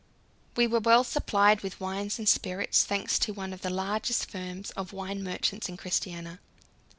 We were well supplied with wines and spirits, thanks to one of the largest firms of wine merchants in Christiania.